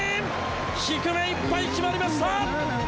低めいっぱい決まりました！